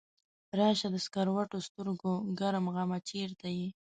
راشه د سکروټو سترګو ګرم غمه چرته یې؟